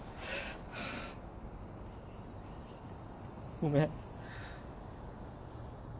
ごめん。